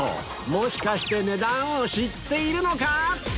もしかして値段を知っているのか⁉